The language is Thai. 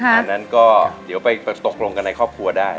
อันนั้นก็เดี๋ยวไปตกลงกันในครอบครัวได้